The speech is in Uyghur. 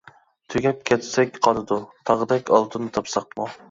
تۈگەپ كەتسەك قالىدۇ، تاغدەك ئالتۇن تاپساقمۇ.